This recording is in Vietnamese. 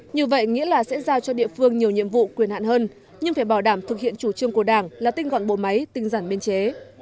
như vậy nghĩa là sẽ giao cho địa phương nhiều nhiệm vụ quyền hạn hơn nhưng phải bảo đảm thực hiện chủ trương của đảng là tinh gọn bộ máy tinh giản biên chế